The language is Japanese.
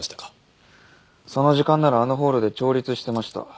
その時間ならあのホールで調律してました。